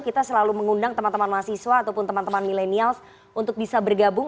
kita selalu mengundang teman teman mahasiswa ataupun teman teman milenials untuk bisa bergabung